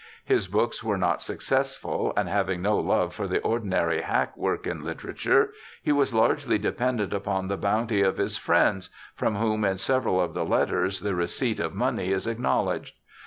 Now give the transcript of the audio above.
His books were not successful, and having no love for the ordinary hack work in Htera ture, he was largely dependent upon the bounty of his friends, from whom in several of the letters the receipt of money is acknowledged.